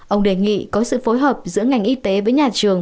ông đề nghị có sự phối hợp giữa ngành y tế với nhà trường